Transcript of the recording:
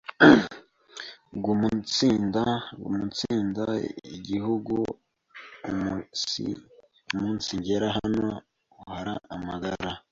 Guumunsinda Igihugu umunsigera n’aho uhara amagara